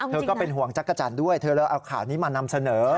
ก็เป็นห่วงจักรจันทร์ด้วยเธอเลยเอาข่าวนี้มานำเสนอ